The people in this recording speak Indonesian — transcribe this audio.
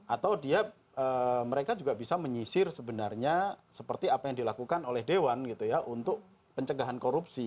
atau dia mereka juga bisa menyisir sebenarnya seperti apa yang dilakukan oleh dewan gitu ya untuk pencegahan korupsi